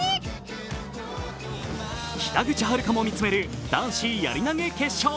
北口榛花も見つめる男子やり投決勝。